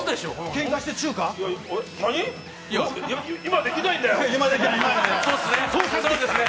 けんかしてチューは今できないんだよ。